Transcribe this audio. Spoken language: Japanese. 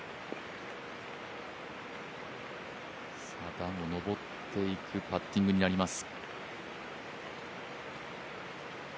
段を上っていくパッティングになります。